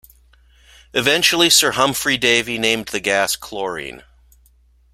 Eventually, Sir Humphry Davy named the gas chlorine.